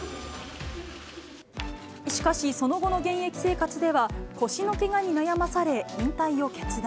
しかしその後の現役生活では、腰のけがに悩まされ、引退を決断。